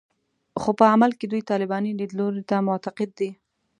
خو په عمل کې دوی طالباني لیدلوري ته معتقد دي